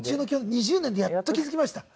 ２０年でやっと気付きました。